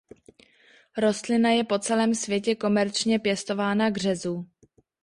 Rostlina je po celém světě komerčně pěstována k řezu.